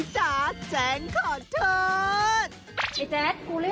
เจ้าแจ๊ะริมเจ้า